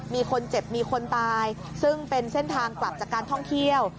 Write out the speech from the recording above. มีคนเจ็บมีคนตายซึ่งเป็นเส้นทางกลับจากการท่องเที่ยว